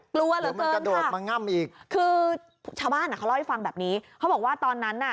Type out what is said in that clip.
กลัวเหรอเฟิร์นค่ะคือชาวบ้านเขาเล่าให้ฟังแบบนี้เขาบอกว่าตอนนั้น